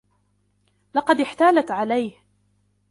لقد إحتالت عليه.